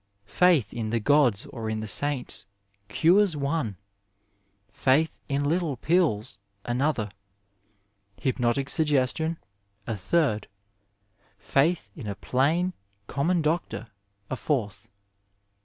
Faith in the gods or in the saints cures one, faith in litde pills another, hjrpnotic suggestion a third, faith in a plain conmion doctor a fourth.